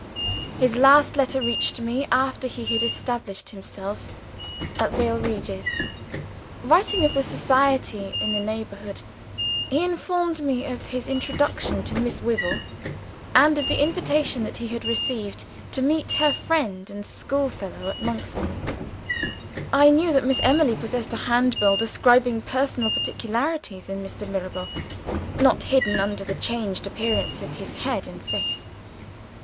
His last letter reached me, after he had established himself at Vale Regis. Writing of the society in the neighborhood, he informed me of his introduction to Miss Wyvil, and of the invitation that he had received to meet her friend and schoolfellow at Monksmoor. I knew that Miss Emily possessed a Handbill describing personal peculiarities in Mr. Mirabel, not hidden under the changed appearance of his head and face.